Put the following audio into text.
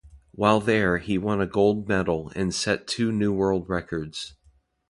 While there he won a Gold Medal and set two new world records.